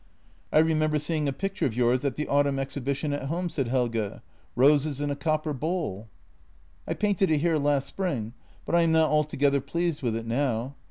" I remember seeing a picture of yours at the autumn ex hibition at home," said Helge. " Roses in a copper bowl." " I painted it here last spring, but I am not altogether pleased with it now.